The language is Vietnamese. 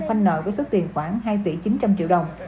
phanh nợ với số tiền khoảng hai tỷ chín trăm linh triệu đồng